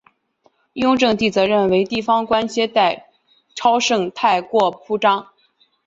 雍正帝则认为地方官接待超盛太过铺张。